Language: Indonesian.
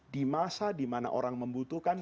di masa dimana orang membutuhkan